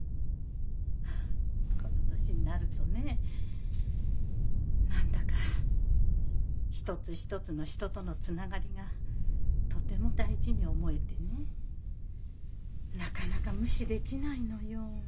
あっこの年になるとねえ何だか一つ一つの人とのつながりがとても大事に思えてねなかなか無視できないのよ。